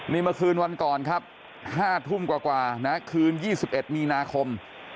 นี่เมื่อคืนวันก่อนครับ๕ทุ่มกว่านะคืน๒๑มีนาคม